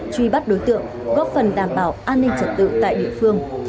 truy bắt đối tượng góp phần đảm bảo an ninh trật tự tại địa phương